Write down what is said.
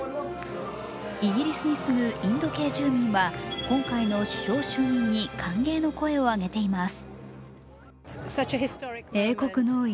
イギリスに住むインド系住民は今回の首相就任に歓迎の声を上げています。